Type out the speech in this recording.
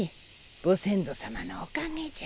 ご先祖様のおかげじゃ。